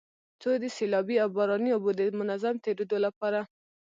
څو د سيلابي او باراني اوبو د منظم تېرېدو لپاره